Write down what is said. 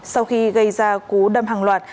sau khi gây ra cú đâm hàng loạt